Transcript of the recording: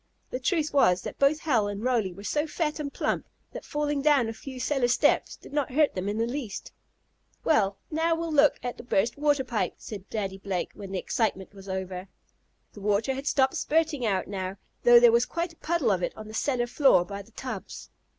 The truth was that both Hal and Roly were so fat and plump, that falling down a few cellar steps did not hurt them in the least. "Well, now we'll look at the burst water pipe," said Daddy Blake, when the excitement was over. The water had stopped spurting out now, though there was quite a puddle of it on the cellar floor by the tubs.